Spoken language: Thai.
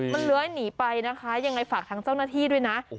มันเลื้อยหนีไปนะคะยังไงฝากทางเจ้าหน้าที่ด้วยนะ